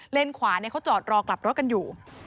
ขวาเขาจอดรอกลับรถกันอยู่